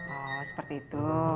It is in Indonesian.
oh seperti itu